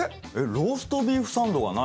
ローストビーフサンドがないな。